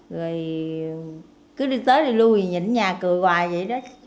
rồi cứ đi tới đi lui nhìn nhà cười hoài vậy đó